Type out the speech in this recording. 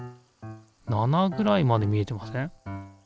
７ぐらいまで見えてません？